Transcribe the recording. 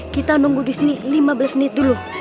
kita nunggu di sini lima belas menit dulu